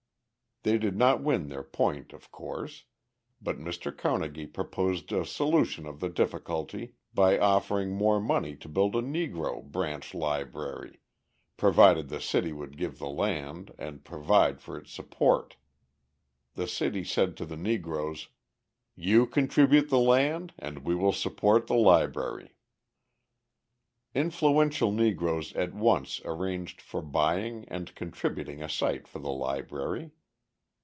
They did not win their point of course, but Mr. Carnegie proposed a solution of the difficulty by offering more money to build a Negro branch library, provided the city would give the land and provide for its support. The city said to the Negroes: "You contribute the land and we will support the library." Influential Negroes at once arranged for buying and contributing a site for the library.